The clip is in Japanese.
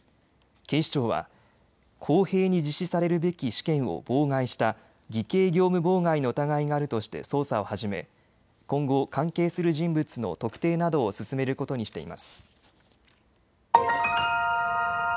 警視庁は公平に実施されるべき試験を妨害した偽計業務妨害の疑いがあるとして捜査を始め今後、関係する人物の特定などを進めることにしています。